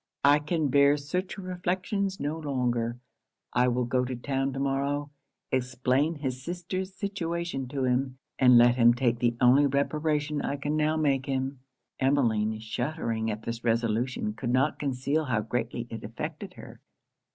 I can bear such reflections no longer I will go to town to morrow, explain his sister's situation to him, and let him take the only reparation I can now make him.' Emmeline, shuddering at this resolution, could not conceal how greatly it affected her.